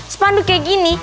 spanduk kayak gini